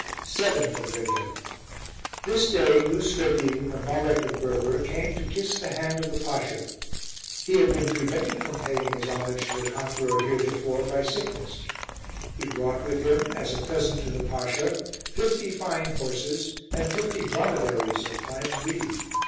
7th of Regeb. This day Nousreddin, the Malek of Berber, came to kiss the hand of the Pasha. He had been prevented from paying his homage to the conqueror heretofore by sickness. He brought with him, as a present to the Pasha, fifty fine horses, and fifty dromedaries of prime breed.